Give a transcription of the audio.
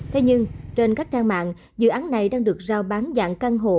thế nhưng trên các trang mạng dự án này đang được giao bán dạng căn hộ